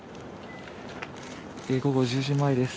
午後１０時前です